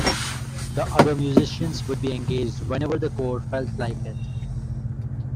The other musicians would be engaged whenever the core felt like it.